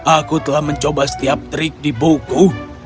aku telah mencoba setiap trik di buku